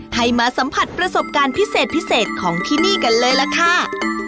ให้มาสัมผัสประสบการณ์พิเศษพิเศษของที่นี่กันเลยล่ะค่ะ